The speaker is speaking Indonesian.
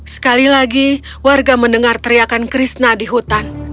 sekali lagi warga mendengar teriakan krishna di hutan